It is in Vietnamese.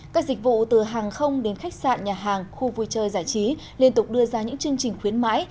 các dịch vụ từ hàng không đến khách sạn nhà hàng khu vui chơi giải trí liên tục đưa ra những chương trình khuyến mãi